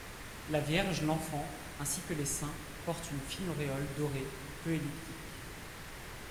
La Vierge, l'Enfant ainsi que les saints, portent une fine auréole, dorée, peu elliptique.